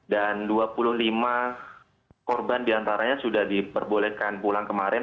dan dua puluh lima korban diantaranya sudah diperbolehkan pulang kemarin